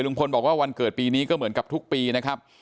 บอกว่าวันเกิดปีนี้ก็เหมือนกับทุกปีนะครับ